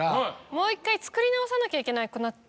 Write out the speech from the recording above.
もう一回作り直さなきゃいけなくなってしまう？